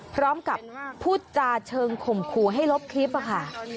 พร้อมกับพูดจาเชิงข่มขู่ให้ลบคลิปค่ะ